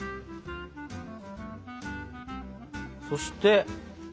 そして。